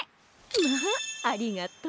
まあありがとう。